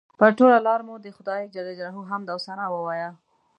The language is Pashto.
پر ټوله لاره مو د خدای جل جلاله حمد او ثنا ووایه.